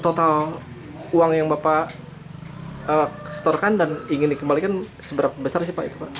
total uang yang bapak setorkan dan ingin dikembalikan seberapa besar sih pak itu pak